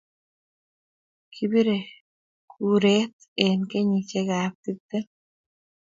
Kibirei kuret eng kenyishiekab tuptem